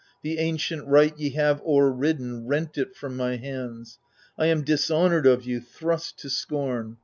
the ancient right Ye have o'erridden, rent it from my hands. I am dishonoured of you, thrust to scorn